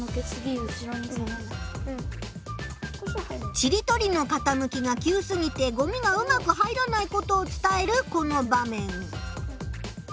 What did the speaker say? ちりとりのかたむきが急すぎてごみがうまく入らないことを伝えるこの場面。